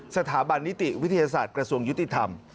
สถาบันนิติวิทยาศาสตร์กระทรวงยุติธรรม